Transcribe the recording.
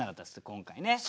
今回ね。